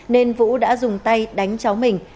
nên vũ đã dùng tay đánh cháu mình